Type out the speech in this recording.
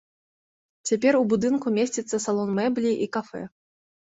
Цяпер у будынку месціцца салон мэблі і кафэ.